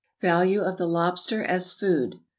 =Value of the Lobster as Food.